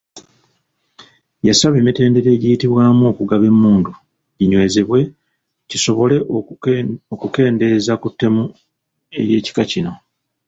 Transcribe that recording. Yasaba emitendera egiyitibwamu okugaba emmundu ginywezebwe kisobole okukendeeza ku ttemu ery’ekika kino.